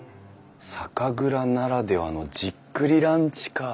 「酒蔵ならではのじっくりランチ」か。